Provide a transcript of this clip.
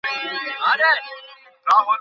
অথচ তিনি কিবতীকে আক্রমণ করতেই উদ্যত ছিলেন।